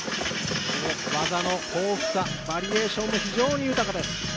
この技の豊富さ、バリエーションが非常に豊かです。